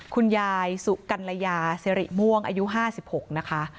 คุณยายสุกันละยาเสรียะม่วงอายุห้าสิบหกนะคะ